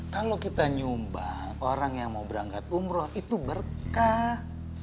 kalau kita nyumbang orang yang mau berangkat umroh itu berkah